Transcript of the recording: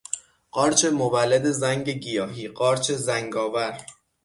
قارچ مولد زنگ گیاهی، قارچ زنگ آور